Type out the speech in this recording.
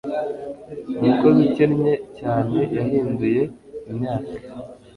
Umukozi ukennye cyane yahinduye imyaka